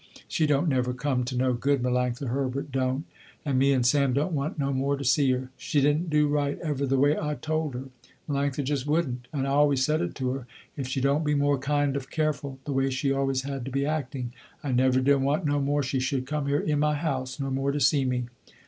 She don't never come to no good Melanctha Herbert don't, and me and Sam don't want no more to see her. She didn't do right ever the way I told her. Melanctha just wouldn't, and I always said it to her, if she don't be more kind of careful, the way she always had to be acting, I never did want no more she should come here in my house no more to see me.